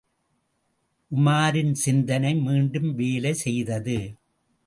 உமாரின் சிந்தனை மீண்டும் வேலை செய்தது.